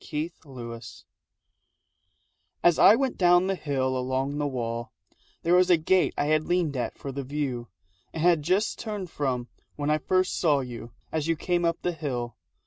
MEETING AND PASSING As I went down the hill along the wall There was a gate I had leaned at for the view And had just turned from when I first saw you As you came up the hill.